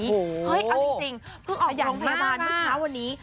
เฮ้ยเอาจริงเพิ่งออกจากโรงพยาบาลเมื่อเช้าวันนี้